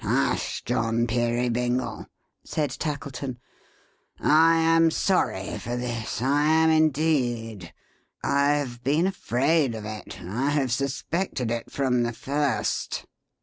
"Hush! John Peerybingle," said Tackleton. "I am sorry for this. I am indeed. I have been afraid of it. I have suspected it from the first."